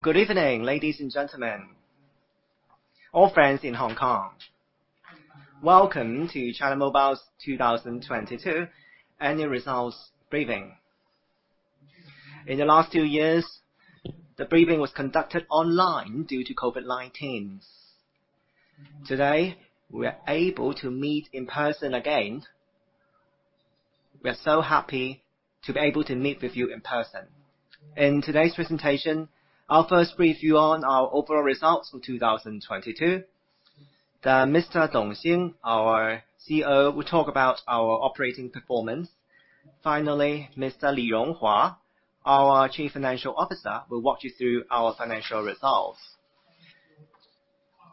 Good evening, ladies and gentlemen, all friends in Hong Kong. Welcome to China Mobile's 2022 annual results briefing. In the last two years, the briefing was conducted online due to COVID-19. Today, we are able to meet in person again. We are so happy to be able to meet with you in person. In today's presentation, I'll first brief you on our overall results for 2022. Mr. Dong Xin, our CEO, will talk about our operating performance. Finally, Mr. Li Ronghua, our Chief Financial Officer, will walk you through our financial results.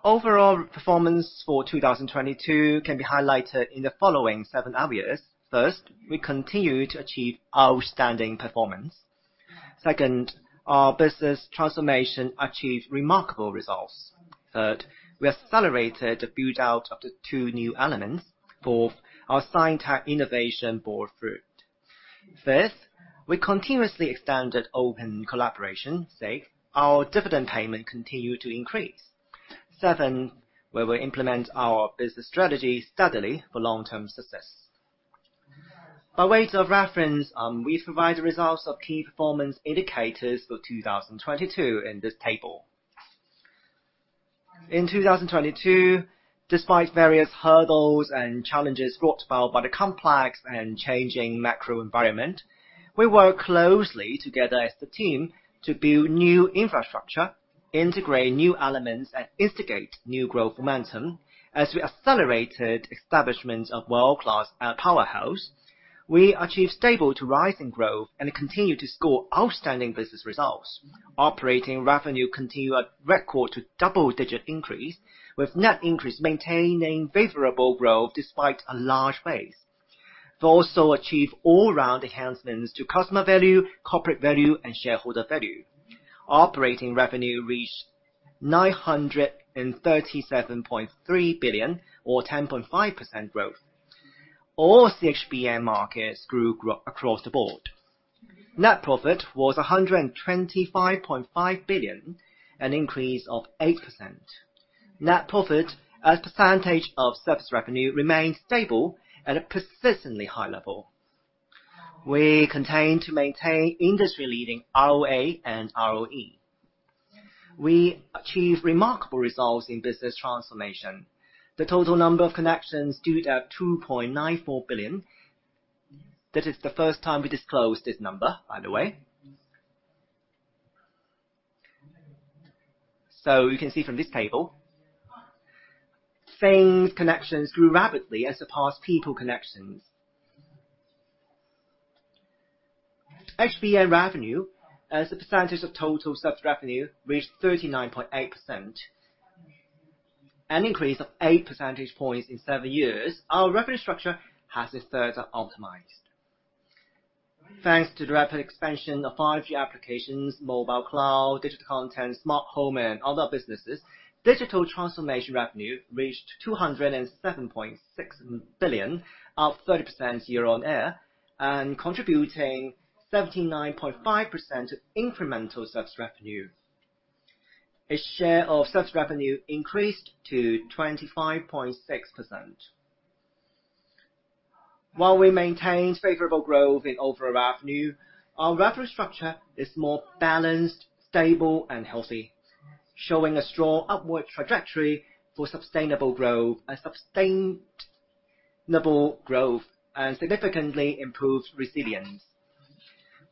Overall performance for 2022 can be highlighted in the following seven areas. First, we continue to achieve outstanding performance. Second, our business transformation achieved remarkable results. Third, we accelerated the build-out of the two new elements. Fourth, our science and tech innovation bore fruit. Fifth, we continuously extended open collaboration. Six, our dividend payment continued to increase. We implement our business strategy steadily for long-term success. By way of reference, we provide the results of key performance indicators for 2022 in this table. In 2022, despite various hurdles and challenges brought about by the complex and changing macro environment, we work closely together as the team to build new infrastructure, integrate new elements, and instigate new growth momentum. As we accelerated establishment of world-class powerhouse, we achieved stable to rising growth and continue to score outstanding business results. Operating revenue continued a record to double-digit increase, with net increase maintaining favorable growth despite a large base. We also achieved all-round enhancements to customer value, corporate value, and shareholder value. Operating revenue reached 937.3 billion or 10.5% growth. All CHBN markets grew across the board. Net profit was 125.5 billion, an increase of 8%. Net profit as a percentage of service revenue remained stable at a persistently high level. We continue to maintain industry-leading ROA and ROE. We achieved remarkable results in business transformation. The total number of connections stood at 2.94 billion. That is the first time we disclosed this number, by the way. You can see from this table, connections grew rapidly and surpassed people connections. HBN revenue as a percentage of total service revenue reached 39.8%, an increase of 8 percentage points in seven years. Our revenue structure has since further optimized. Thanks to the rapid expansion of 5G applications, Mobile Cloud, digital content, smart home and other businesses. Digital transformation revenue reached 207.6 billion, up 30% year-on-year, contributing 79.5% incremental service revenue. Its share of service revenue increased to 25.6%. While we maintained favorable growth in overall revenue, our revenue structure is more balanced, stable and healthy, showing a strong upward trajectory for sustainable growth and sustained stable growth and significantly improved resilience.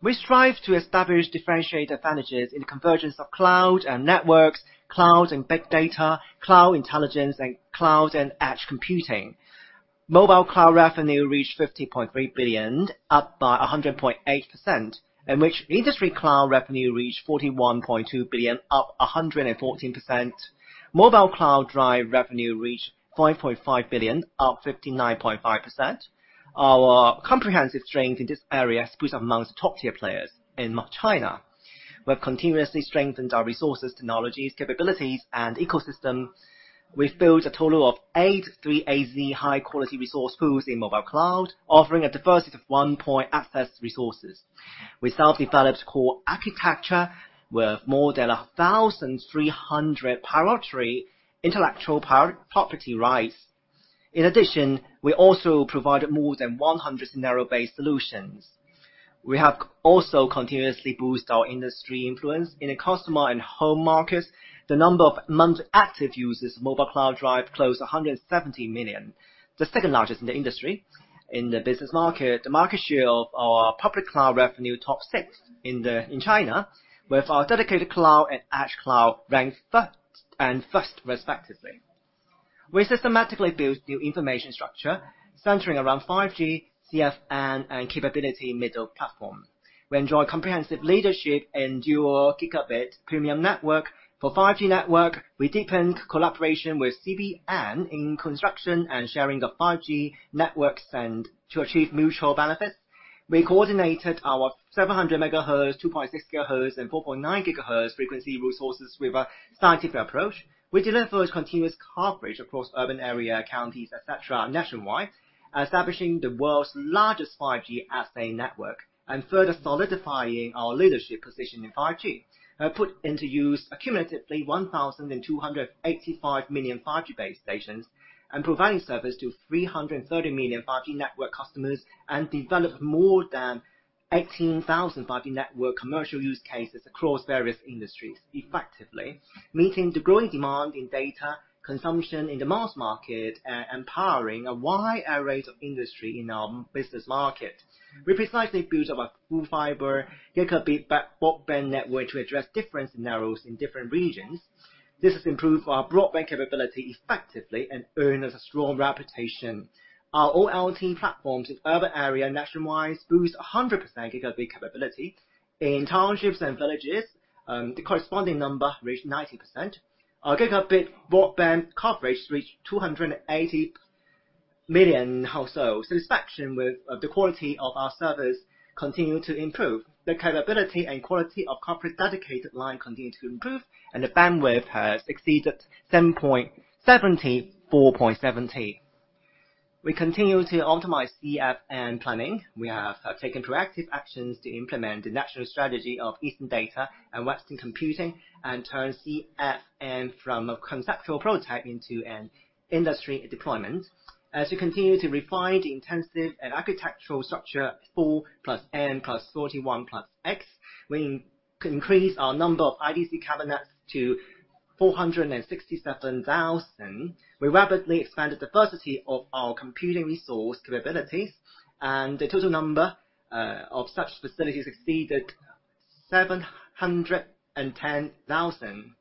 We strive to establish differentiated advantages in the convergence of cloud and networks, clouds and big data, cloud intelligence and clouds and edge computing. Mobile Cloud revenue reached 50.3 billion, up by 100.8%, in which industry cloud revenue reached 41.2 billion, up 114%. Mobile Cloud Drive revenue reached 5.5 billion, up 59.5%. Our comprehensive strength in this area puts amongst top-tier players in China. We have continuously strengthened our resources, technologies, capabilities and ecosystem. We've built a total of 83 AZ high-quality resource pools in Mobile Cloud, offering a diversity of 1-point access resources. We self-developed core architecture with more than 1,300 priority intellectual power property rights. In addition, we also provided more than 100 scenario-based solutions. We have also continuously boost our industry influence in the customer and home markets. The number of month active users Mobile Cloud Drive closed 170 million, the second-largest in the industry. In the business market, the market share of our public cloud revenue top six in China, with our dedicated cloud and edge cloud ranked first and first respectively. We systematically build new information infrastructure centering around 5G, CFN and capability middle platform. We enjoy comprehensive leadership in dual gigabit premium network. For 5G network, we deepen collaboration with CBN in construction and sharing of 5G networks and to achieve mutual benefits. We coordinated our 700 megahertz, 2.6 gigahertz, and 4.9 gigahertz frequency resources with a scientific approach. We delivered continuous coverage across urban area, counties, etcetera, nationwide, establishing the world's largest 5G SA network and further solidifying our leadership position in 5G. Put into use accumulatively 1,285 million 5G base stations, and providing service to 330 million 5G network customers, and developed more than 18,000 5G network commercial use cases across various industries, effectively meeting the growing demand in data consumption in the mass market and empowering a wide array of industry in our business market. We precisely built our full fiber gigabit broadband network to address different scenarios in different regions. This has improved our broadband capability effectively and earned us a strong reputation. Our OLT platforms in urban area nationwide boost 100% gigabit capability. In townships and villages, the corresponding number reached 90%. Our gigabit broadband coverage reached 280 million households. Satisfaction with the quality of our service continued to improve. The capability and quality of corporate dedicated line continued to improve, and the bandwidth has exceeded 7.74.70. We continue to optimize CFN planning. We have taken proactive actions to implement the national strategy of Eastern Data and Western Computing, and turn CFN from a conceptual prototype into an industry deployment. As we continue to refine the intensive and architectural structure 4+N+31+X, we increase our number of IDC cabinets to 467,000. We rapidly expanded the diversity of our computing resource capabilities, and the total number of such facilities exceeded 710,000,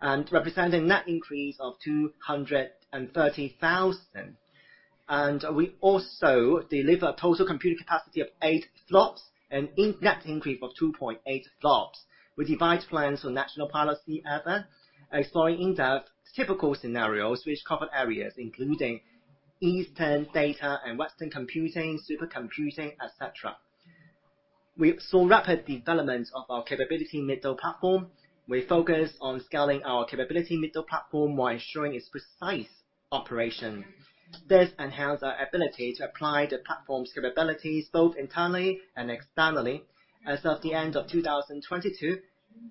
and representing net increase of 230,000. We also deliver total computing capacity of 8 FLOPS and in-net increase of 2.8 FLOPS. We devised plans for national policy effort, exploring in-depth typical scenarios which cover areas including Eastern Data and Western Computing, super computing, etcetera. We saw rapid development of our capability middle platform. We focused on scaling our capability middle platform while ensuring its precise operation. This enhanced our ability to apply the platform's capabilities both internally and externally. As of the end of 2022,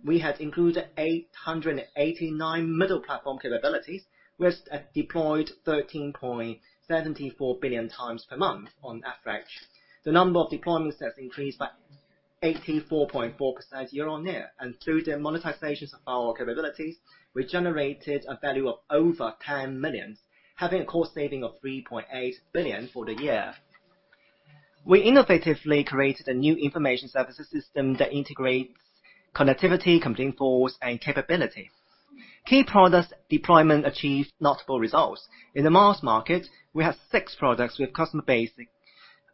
we had included 889 middle platform capabilities, which deployed 13.74 billion times per month on average. The number of deployment slots increased by 84.4% year-on-year. Through the monetizations of our capabilities, we generated a value of over 10 million, having a cost saving of 3.8 billion for the year. We innovatively created a new information services system that integrates connectivity, computing force, and capability. Key products deployment achieved notable results. In the mass market, we have six products with customer base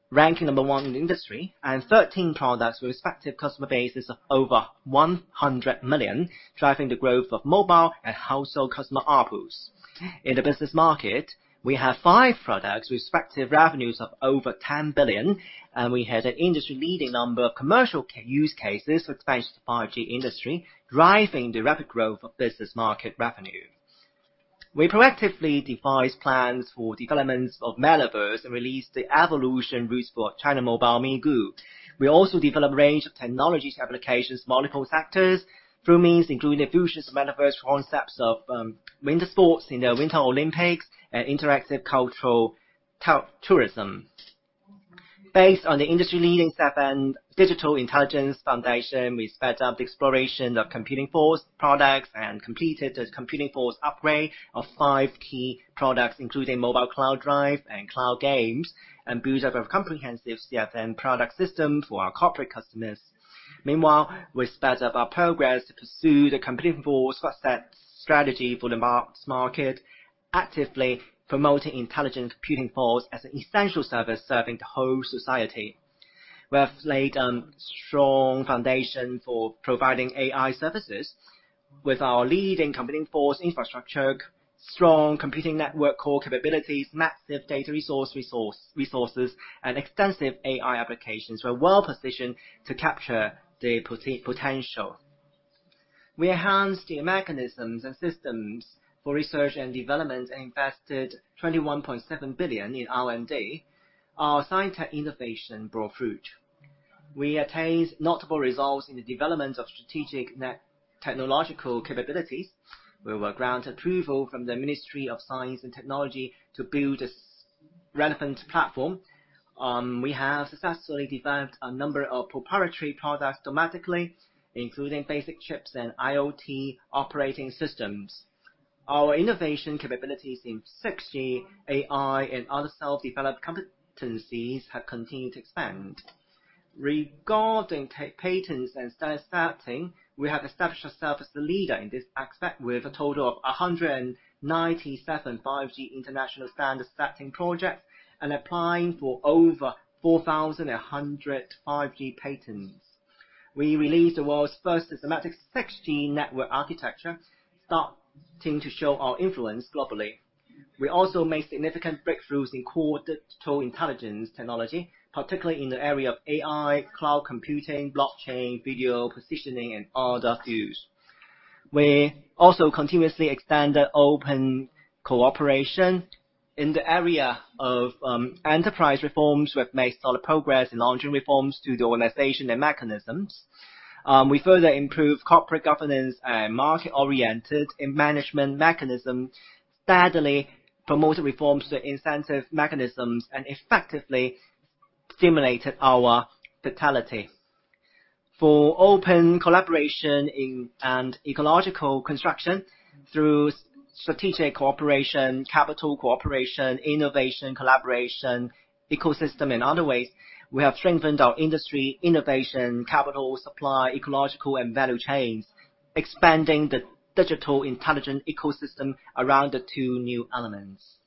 ranking number one in the industry, and 13 products with respective customer bases of over 100 million, driving the growth of mobile and household customer ARPU. In the business market, we have five products with respective revenues of over 10 billion, and we had an industry-leading number of commercial use cases for expansion to 5G industry, driving the rapid growth of business market revenue. We proactively devised plans for developments of Metaverse and released the evolution route for China Mobile Migu. We also developed a range of technologies applications in multiple sectors through means including the fusion of Metaverse concepts of winter sports in the Winter Olympics and interactive cultural tourism. Based on the industry-leading CFN digital intelligence foundation, we sped up the exploration of computing force products and completed the computing force upgrade of five key products including Mobile Cloud Drive and cloud games, and built up a comprehensive CFN product system for our corporate customers. Meanwhile, we sped up our progress to pursue the computing force strategy for the mass market, actively promoting intelligent computing force as an essential service serving the whole society. We have laid a strong foundation for providing AI services. With our leading computing force infrastructure, strong computing network core capabilities, massive data resources, and extensive AI applications, we're well-positioned to capture the potential. We enhanced the mechanisms and systems for research and development and invested 21.7 billion in R&D. Our scientific innovation bore fruit. We attained notable results in the development of strategic net technological capabilities. We were granted approval from the Ministry of Science and Technology to build a relevant platform. We have successfully developed a number of proprietary products domestically, including basic chips and IoT operating systems. Our innovation capabilities in 6G, AI, and other self-developed competencies have continued to expand. Regarding patents and standard setting, we have established ourself as the leader in this aspect with a total of 197 5G international standard setting projects, and applying for over 4,100 5G patents. We released the world's first systematic 6G network architecture, starting to show our influence globally. We also made significant breakthroughs in core digital intelligence technology, particularly in the area of AI, cloud computing, blockchain, video positioning, and other fields. We also continuously expand the open cooperation in the area of enterprise reforms. We have made solid progress in launching reforms to the organization and mechanisms. We further improved corporate governance and market-oriented management mechanism, steadily promoted reforms to incentive mechanisms, and effectively stimulated our vitality. For open collaboration in... Ecological construction through strategic cooperation, capital cooperation, innovation, collaboration, ecosystem, and other ways, we have strengthened our industry, innovation, capital supply, ecological, and value chains, expanding the digital intelligent ecosystem around the two new elements.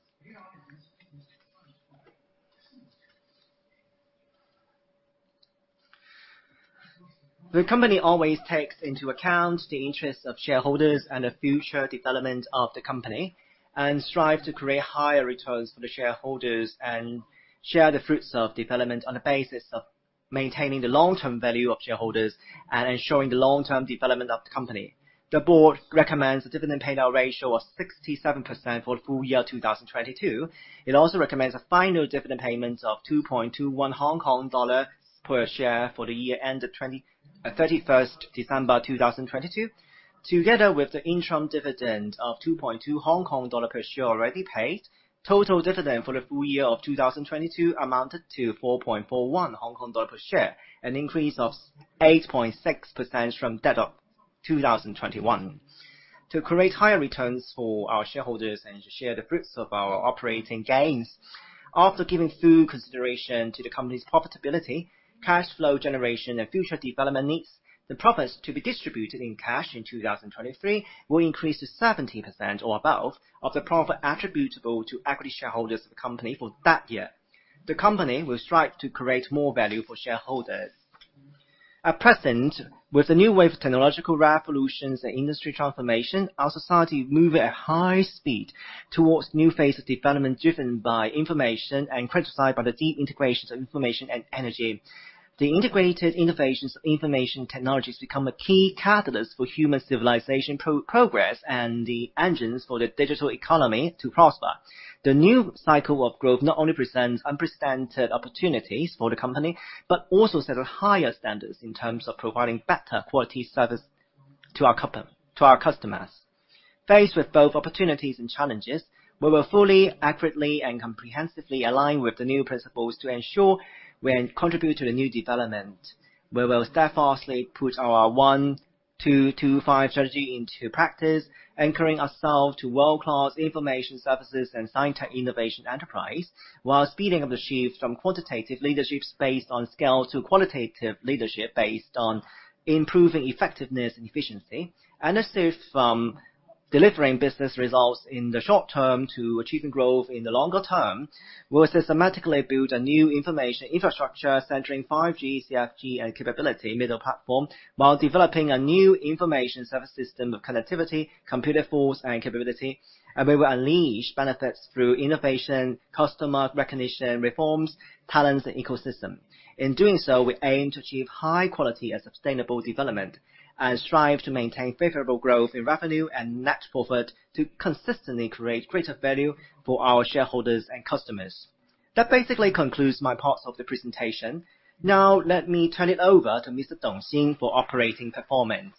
The company always takes into account the interests of shareholders and the future development of the company and strive to create higher returns for the shareholders and share the fruits of development on the basis of maintaining the long-term value of shareholders and ensuring the long-term development of the company. The board recommends a dividend payout ratio of 67% for full year 2022. It also recommends a final dividend payment of 2.21 Hong Kong dollar per share for the year ended 31st December 2022. Together with the interim dividend of 2.2 Hong Kong dollar per share already paid, total dividend for the full year of 2022 amounted to 4.41 Hong Kong dollar per share, an increase of 8.6% from that of 2021. To create higher returns for our shareholders and to share the fruits of our operating gains, after giving full consideration to the company's profitability, cash flow generation, and future development needs, the profits to be distributed in cash in 2023 will increase to 70% or above of the profit attributable to equity shareholders of the company for that year. The company will strive to create more value for shareholders. At present, with the new wave of technological revolutions and industry transformation, our society move at high speed towards new phases of development, driven by information and characterized by the deep integrations of information and energy. The integrated innovations of information technologies become a key catalyst for human civilization pro-progress and the engines for the digital economy to prosper. The new cycle of growth not only presents unprecedented opportunities for the company, but also sets higher standards in terms of providing better quality service to our to our customers. Faced with both opportunities and challenges, we will fully, accurately, and comprehensively align with the new principles to ensure we contribute to the new development. We will steadfastly put our 1+2+5 strategy into practice, anchoring ourselves to world-class information services and science tech innovation enterprise, while speeding up the shift from quantitative leadership based on scale to qualitative leadership based on improving effectiveness and efficiency, and a shift from delivering business results in the short term to achieving growth in the longer term. We'll systematically build a new information infrastructure centering 5G, CFN, and capability middle platform while developing a new information service system of connectivity, computing force, and capability. We will unleash benefits through innovation, customer recognition, reforms, talents, and ecosystem. In doing so, we aim to achieve high-quality and sustainable development, and strive to maintain stable growth in revenue and net profit to consistently create greater value for our shareholders and customers. That basically concludes my part of the presentation. Now let me turn it over to Mr. Dong Xin for operating performance.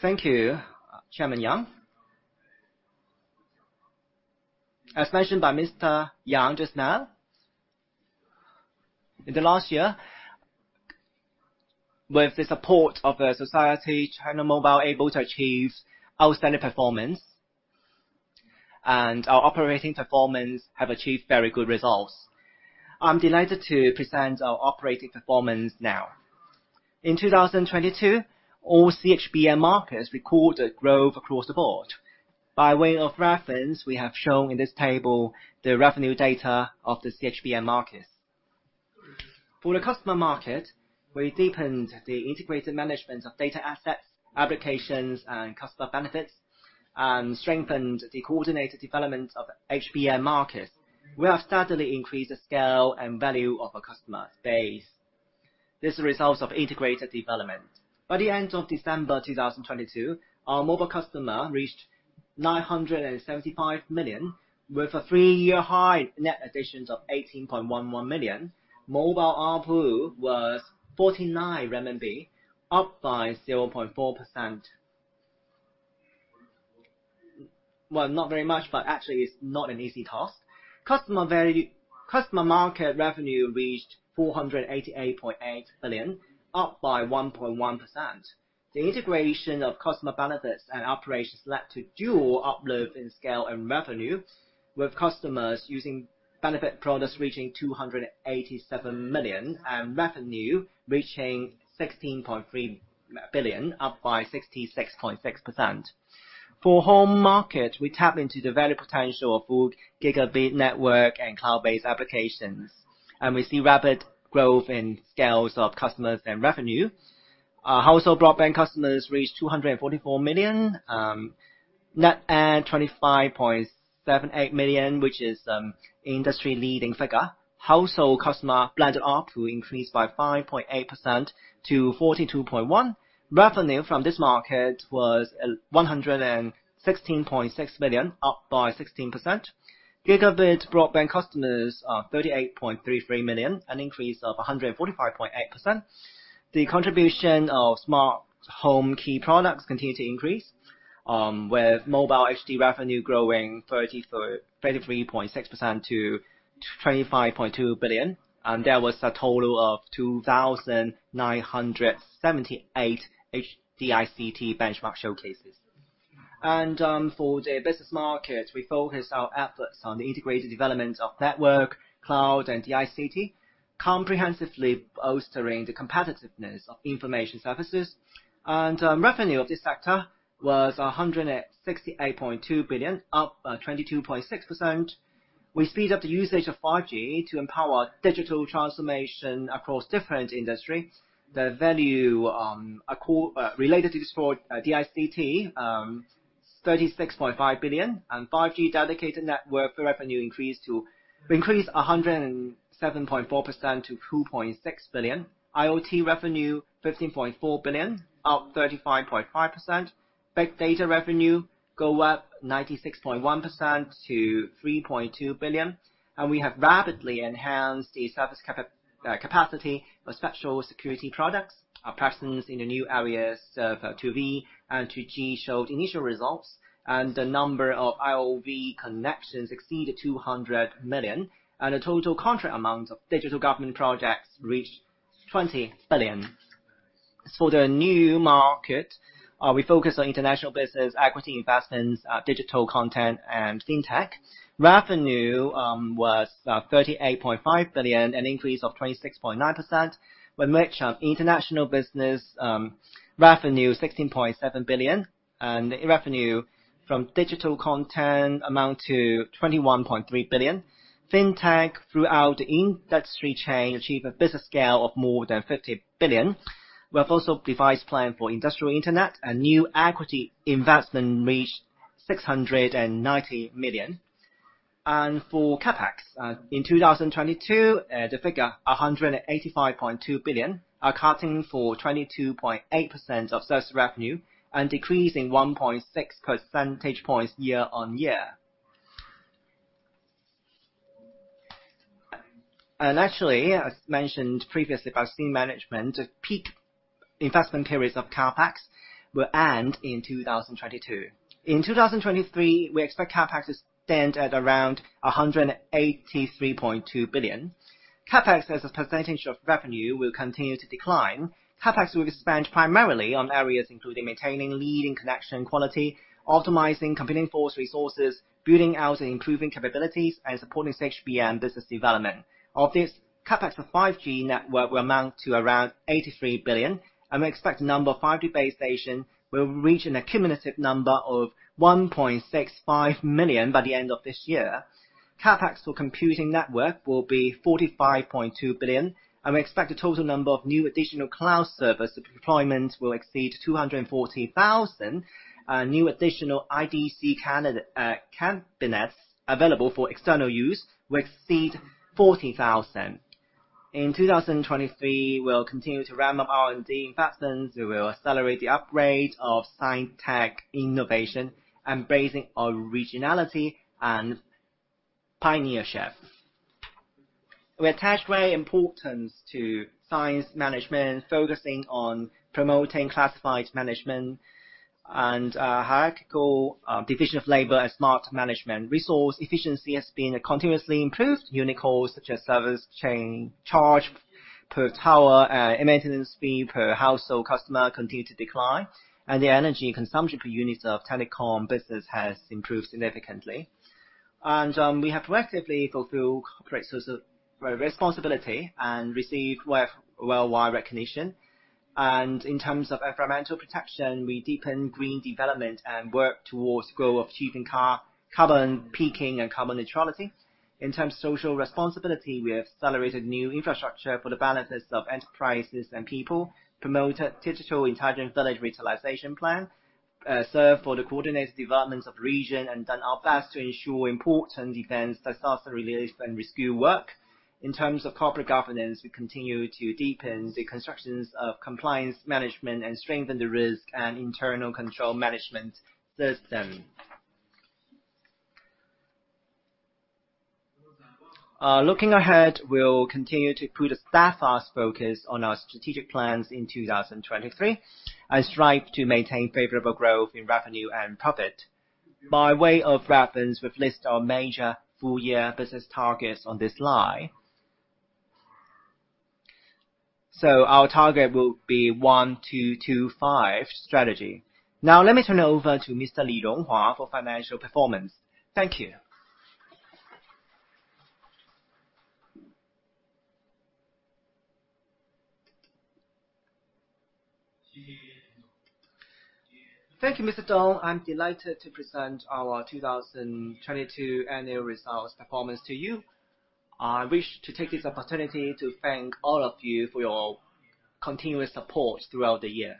Thank you, Chairman Yang. As mentioned by Mr. Yang just now, in the last year, with the support of the society, China Mobile able to achieve outstanding performance and our operating performance have achieved very good results. I'm delighted to present our operating performance now. In 2022, all CHBN markets recorded growth across the board. By way of reference, we have shown in this table the revenue data of the CHBN markets. For the customer market, we deepened the integrated management of data assets, applications, and customer benefits, and strengthened the coordinated development of HBN markets. We have steadily increased the scale and value of our customer base. This is results of integrated development. By the end of December 2022, our mobile customer reached 975 million, with a three-year high net additions of 18.11 million. Mobile ARPU was 49 RMB, up by 0.4%. Well, not very much, actually it's not an easy task. Customer market revenue reached 488.8 billion, up by 1.1%. The integration of customer benefits and operations led to dual uplift in scale and revenue. With customers using benefit products reaching 287 million, and revenue reaching 16.3 billion, up by 66.6%. For Home market, we tap into the value potential of full gigabit network and cloud-based applications. We see rapid growth in scales of customers and revenue. Our household broadband customers reached 244 million. Net add 25.78 million, which is industry-leading figure. Household customer blended ARPU increased by 5.8% to 42.1. Revenue from this market was 116.6 million, up by 16%. Gigabit broadband customers are 38.33 million, an increase of 145.8%. The contribution of smart home key products continue to increase, with Mobile HD revenue growing 33.6% to 25.2 billion. There was a total of 2,978 HDICT benchmark showcases. For the business market, we focus our efforts on the integrated development of network, cloud, and DICT, comprehensively bolstering the competitiveness of information services. Revenue of this sector was 168.2 billion, up 22.6%. We speed up the usage of 5G to empower digital transformation across different industry. The value related to this for DICT, 36.5 billion. 5G dedicated network for revenue increase 107.4% to 2.6 billion. IoT revenue 15.4 billion, up 35.5%. Big data revenue go up 96.1% to 3.2 billion. We have rapidly enhanced the service capacity for special security products. Our presence in the new areas of 2V and 2G showed initial results. The number of IOV connections exceeded 200 million. The total contract amount of digital government projects reached 20 billion. For the new market, we focus on international business, equity investments, digital content, and fintech. Revenue was 38.5 billion, an increase of 26.9%. With much of international business, revenue 16.7 billion. The revenue from digital content amount to 21.3 billion. Fintech throughout the industry chain achieve a business scale of more than 50 billion. We have also devised plan for industrial internet, a new equity investment reached 690 million. For CapEx in 2022, the figure, 185.2 billion, accounting for 22.8% of such revenue and decreasing 1.6 percentage points year-on-year. Actually, as mentioned previously by senior management, the peak investment periods of CapEx will end in 2022. In 2023, we expect CapEx to stand at around 183.2 billion. CapEx, as a % of revenue, will continue to decline. CapEx will be spent primarily on areas including maintaining leading connection quality, optimizing computing force resources, building out and improving capabilities, and supporting HBN business development. Of this, CapEx for 5G network will amount to around 83 billion. We expect the number of 5G base station will reach an accumulative number of 1.65 million by the end of this year. CapEx for computing network will be 45.2 billion. We expect the total number of new additional cloud service deployments will exceed 240,000. New additional IDC cabinets available for external use will exceed 40,000. In 2023, we'll continue to ramp up R&D investments. We will accelerate the upgrade of sci-tech innovation, embracing originality and pioneership. We attach great importance to science management, focusing on promoting classified management and hierarchical division of labor and smart management. Resource efficiency has been continuously improved. Unique KPIs such as service revenue per tower and maintenance fee per household customer continue to decline. The energy consumption per units of telecom business has improved significantly. We have proactively fulfilled corporate social responsibility and received worldwide recognition. In terms of environmental protection, we deepen green development and work towards goal of achieving carbon peaking and carbon neutrality. In terms of social responsibility, we have accelerated new infrastructure for the balances of enterprises and people, promoted digital intelligent village revitalization plan, served for the coordinated developments of region, and done our best to ensure important defense disaster relief and rescue work. In terms of corporate governance, we continue to deepen the constructions of compliance management and strengthen the risk and internal control management system. Looking ahead, we'll continue to put a steadfast focus on our strategic plans in 2023 and strive to maintain favorable growth in revenue and profit. By way of reference, we've listed our major full year business targets on this slide. Our target will be 1+2+5 strategy. Now let me turn it over to Mr. Li Ronghua for financial performance. Thank you. Thank you, Mr. Dong. I'm delighted to present our 2022 annual results performance to you. I wish to take this opportunity to thank all of you for your continuous support throughout the year.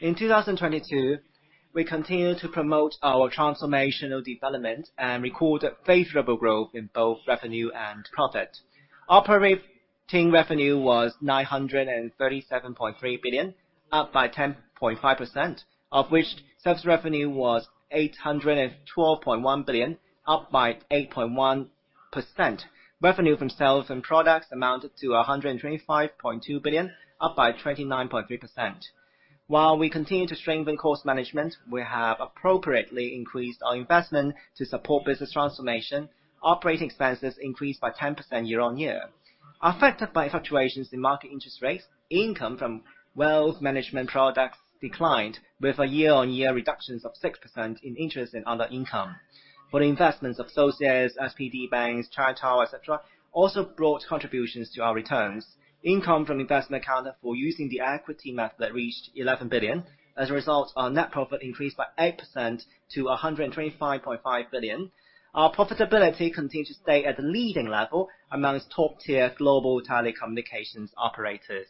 In 2022, we continued to promote our transformational development and recorded favorable growth in both revenue and profit. Operating revenue was 937.3 billion, up by 10.5%, of which service revenue was 812.1 billion, up by 8.1%. Revenue from sales and products amounted to 125.2 billion, up by 29.3%. While we continue to strengthen cost management, we have appropriately increased our investment to support business transformation. Operating expenses increased by 10% year-on-year. Affected by fluctuations in market interest rates, income from wealth management products declined with a year-on-year reductions of 6% in interest and other income. For the investments of associates, SPD Bank, China Tower, et cetera, also brought contributions to our returns. Income from investment accounted for using the equity method reached 11 billion. As a result, our net profit increased by 8% to 125.5 billion. Our profitability continued to stay at the leading level amongst top-tier global telecommunications operators.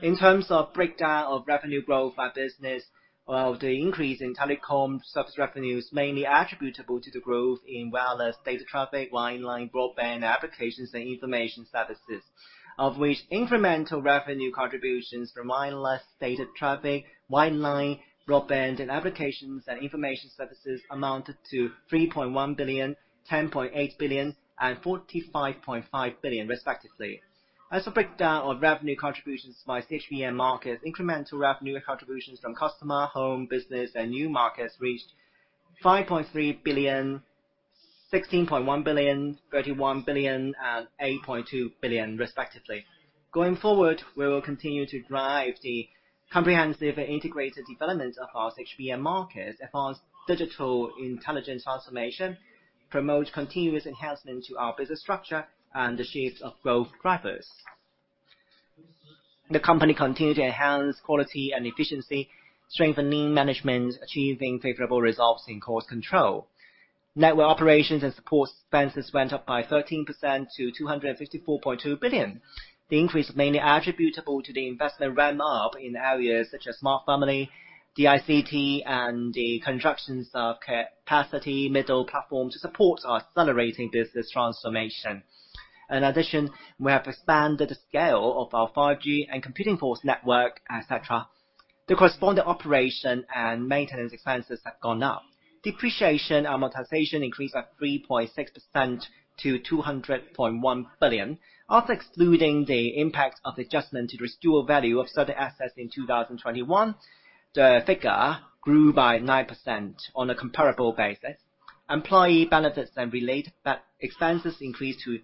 In terms of breakdown of revenue growth by business, while the increase in telecom service revenue is mainly attributable to the growth in wireless data traffic broadband applications and information services, of which incremental revenue contributions from wireless data traffic, broadband and applications and information services amounted to 3.1 billion, 10.8 billion, and 45.5 billion respectively. As a breakdown of revenue contributions by CHBN markets, incremental revenue contributions from customer, home, business and new markets reached 5.3 billion, 16.1 billion, 31 billion and 8.2 billion respectively. Going forward, we will continue to drive the comprehensive and integrated development of our CHBN markets advance digital intelligence transformation, promote continuous enhancement to our business structure and the shift of growth drivers. The company continued to enhance quality and efficiency, strengthening management, achieving favorable results in cost control. Network operations and support expenses went up by 13% to 254.2 billion. The increase mainly attributable to the investment ramp-up in areas such as Smart Family, DICT and the constructions of capacity middle platform to support our accelerating business transformation. In addition, we have expanded the scale of our 5G and Computing Force Network, et cetera. The corresponding operation and maintenance expenses have gone up. Depreciation amortization increased by 3.6% to 200.1 billion. After excluding the impact of the adjustment to the residual value of certain assets in 2021, the figure grew by 9% on a comparable basis. Employee benefits and relate that expenses increased to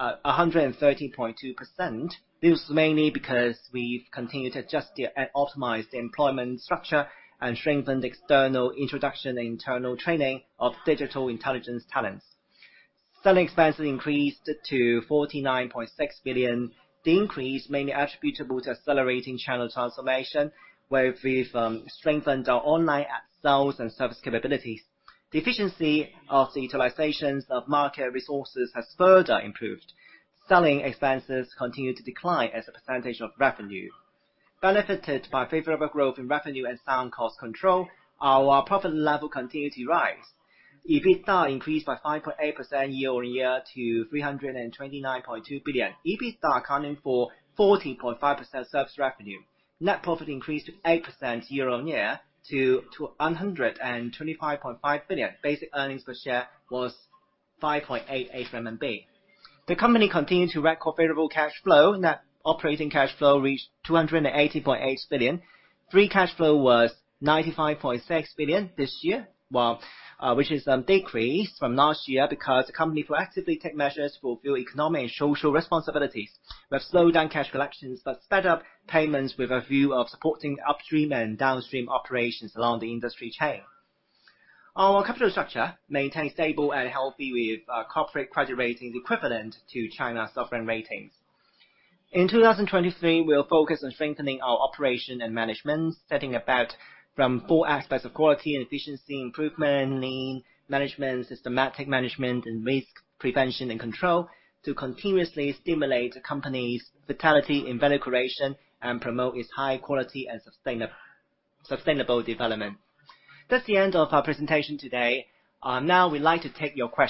130.2%. This is mainly because we've continued to adjust the optimize the employment structure and strengthened external introduction and internal training of digital intelligence talents. Selling expenses increased to 49.6 billion. The increase mainly attributable to accelerating channel transformation, where we've strengthened our online sales and service capabilities. The efficiency of the utilizations of market resources has further improved. Selling expenses continued to decline as a percentage of revenue. Benefited by favorable growth in revenue and sound cost control, our profit level continued to rise. EBITDA increased by 5.8% year-on-year to 329.2 billion. EBITDA accounting for 14.5% service revenue. Net profit increased to 8% year-on-year to 125.5 billion. Basic earnings per share was. The company continued to record favorable cash flow. Net operating cash flow reached 280.8 billion. Free cash flow was 95.6 billion this year. While, which is decreased from last year because the company will actively take measures to fulfill economic and social responsibilities. We have slowed down cash collections, but sped up payments with a view of supporting upstream and downstream operations along the industry chain. Our capital structure maintained stable and healthy, with corporate credit ratings equivalent to China sovereign ratings. In 2023, we'll focus on strengthening our operation and management, setting about from four aspects of quality and efficiency, improvement in management, systematic management, and risk prevention and control to continuously stimulate the company's vitality in value creation and promote its high quality and sustainable development. That's the end of our presentation today. Now we'd like to take your questions